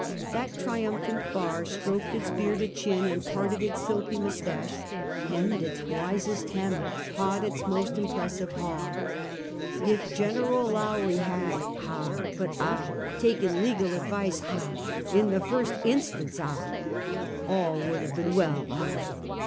That triumphant Bar stroked its bearded chin, and parted its silky mustache; hem'd its wisest hem; haw'd its most impressive haw. " If Gen. Lowrie had ah, but ah, taken legal advice ah, in the first instance ah, all would have been well ah